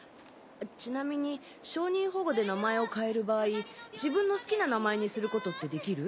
ちなみに証人保護で名前を変える場合自分の好きな名前にすることってできる？